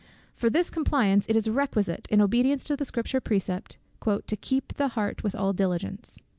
For this compliance, it is requisite, in obedience to the Scripture precept, "to keep the heart with all diligence."